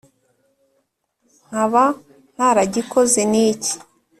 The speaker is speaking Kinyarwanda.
nkaba ntaragikoze ni iki ?